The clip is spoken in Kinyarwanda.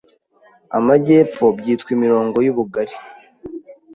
amajyepfo byitwa imirongo y'ubugari.